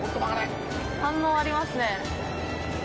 反応ありますね。